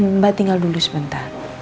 mbak tinggal dulu sebentar